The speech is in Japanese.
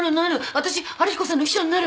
わたし春彦さんの秘書になる。